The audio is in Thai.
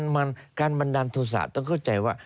มันการบันดาลโทษะต้องเข้าใจว่า